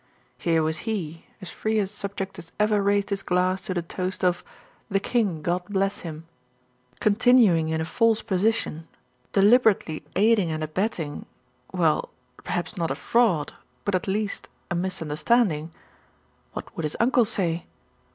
Here was he, as free a subject as ever raised his glass to the toast of "The King, God bless him!" continuing in a false position, deliberately aiding and abetting well, perhaps not a fraud, but at least a misunderstanding. What would his uncle say?